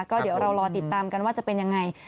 ก็เดี๋ยวเรารอติดตามกันว่าจะเป็นยังไง